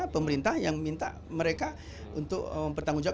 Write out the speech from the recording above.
pemerintah yang minta mereka untuk mempertanggung jawab